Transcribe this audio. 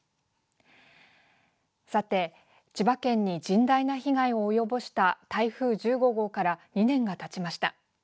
さて、千葉県に甚大な被害を及ぼした台風１５号から２年がたちました。